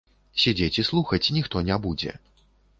Сядзець і слухаць ніхто не будзе.